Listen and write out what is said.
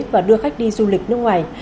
và đưa khách đi du lịch nước ngoài